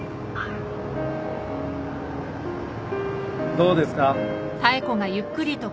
どうですか？